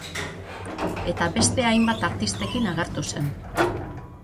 Eta beste hainbat artistekin agertu zen.